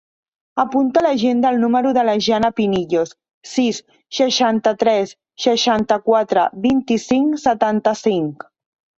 Apunta a l'agenda el número de la Jana Pinillos: sis, seixanta-tres, seixanta-quatre, vint-i-cinc, setanta-cinc.